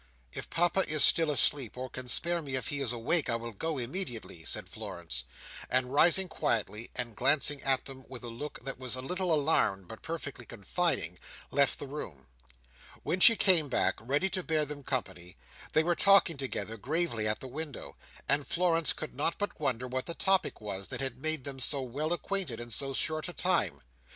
"If Papa is still asleep, or can spare me if he is awake, I will go immediately," said Florence. And rising quietly, and glancing at them with a look that was a little alarmed but perfectly confiding, left the room. When she came back, ready to bear them company, they were talking together, gravely, at the window; and Florence could not but wonder what the topic was, that had made them so well acquainted in so short a time.